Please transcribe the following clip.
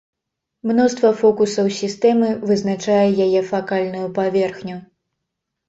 Мноства фокусаў сістэмы вызначае яе факальную паверхню.